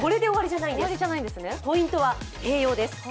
ポイントは「併用」です。